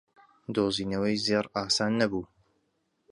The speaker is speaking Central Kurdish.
دۆزینەوەی زێڕ ئاسان نەبوو.